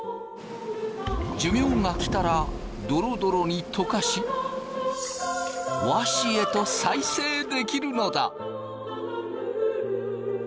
寿命がきたらドロドロに溶かし和紙へと再生できるのだ。